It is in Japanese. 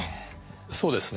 そうですね。